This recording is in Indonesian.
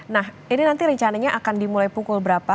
nah ini nanti rencananya akan dimulai pukul berapa